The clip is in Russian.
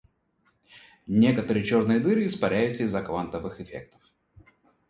Некоторые черные дыры испаряются из-за квантовых эффектов.